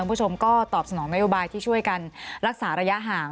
คุณผู้ชมก็ตอบสนองนโยบายที่ช่วยกันรักษาระยะห่าง